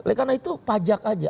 oleh karena itu pajak aja